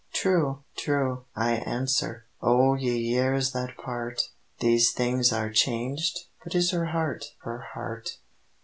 "True! true!" I answer, "O ye years that part! These things are changed, but is her heart, her heart?"